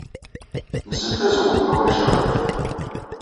Mdel tazewwut ma ulac aɣilif.